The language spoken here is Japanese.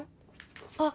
あっ